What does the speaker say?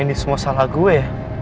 ini semua salah gue